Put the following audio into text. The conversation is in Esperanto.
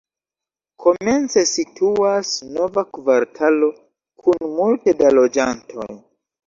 Komence situas nova kvartalo kun multe da loĝantoj.